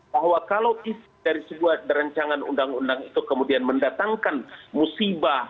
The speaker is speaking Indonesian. bahwa kalau isi dari sebuah rencangan undang undang itu kemudian mendatangkan musibah